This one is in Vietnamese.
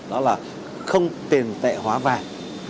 đó là không tiền tệ hóa vàng